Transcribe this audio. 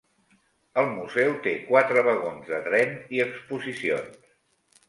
El museu té quatre vagons de tren i exposicions.